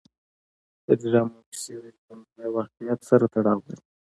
د ډرامو کیسې د ژوند له واقعیت سره تړاو لري.